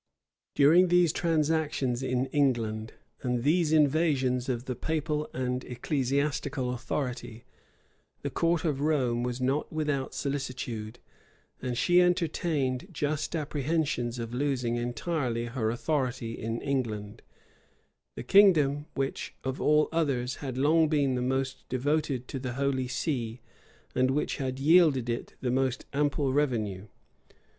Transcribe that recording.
During these transactions in England, and these invasions of the papal and ecclesiastical authority, the court of Rome was not without solicitude; and she entertained just apprehensions of losing entirely her authority in England; the kingdom which, of all others, had long been the most devoted to the holy see and which had yielded it the most ample revenue.